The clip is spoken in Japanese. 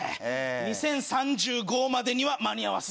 ２０３５までには間に合わすぞ。